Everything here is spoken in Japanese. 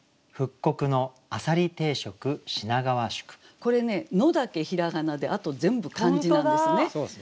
これね「の」だけ平仮名であと全部漢字なんですね。